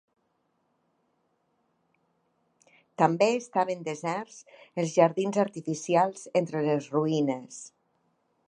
També estaven deserts els jardins artificials entre les ruïnes.